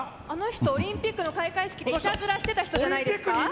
あの人オリンピックの開会式でいたずらしてた人じゃないですか？